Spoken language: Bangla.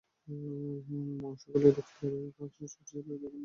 মং সার্কেলের এখতিয়ার খাগড়াছড়ি জেলার বিভিন্ন অঞ্চলকে ঘিরে রয়েছে।